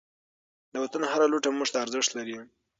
د وطن هر لوټه موږ ته ارزښت لري.